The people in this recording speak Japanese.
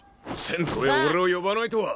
銭湯へ俺を呼ばないとは。